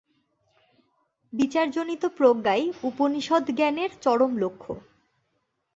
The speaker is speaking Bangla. বিচারজনিত প্রজ্ঞাই উপনিষদ্-জ্ঞানের চরম লক্ষ্য।